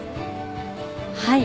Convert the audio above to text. はい。